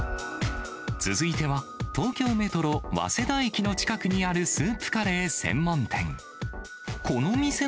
続いては、東京メトロ早稲田駅の近くにあるスープカレー専門店。